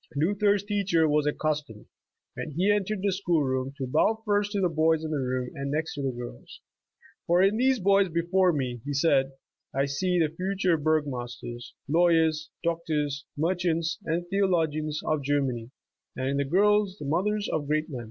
Luther's teacher was accustomed, when he en tered the school room, to bow first to the boys in th^ room, arid next to the girls. ''For in these boys before me," he said, "I see the future burgomasters, lawyers, doctors, merchants and theologians of Germany, and in the girls the mothers of great men."